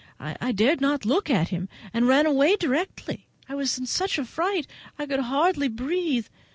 I dared not look at him, and ran away directly. I was in such a fright I could hardly breathe.